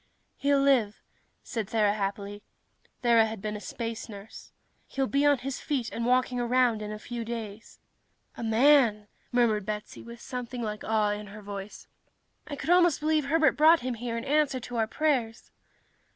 "He'll live," said Thera happily. Thera had been a space nurse. "He'll be on his feet and walking around in a few weeks." "A man!" murmured Betsy, with something like awe in her voice. "I could almost believe Herbert brought him here in answer to our prayers."